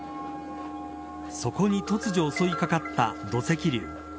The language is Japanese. そこに突如襲い掛かった土石流。